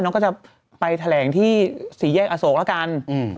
น้องก็จะไปแถลงที่สี่แยกอโสกละกัน